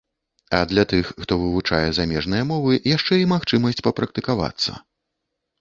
А для тых, хто вывучае замежныя мовы, яшчэ і магчымасць папрактыкавацца.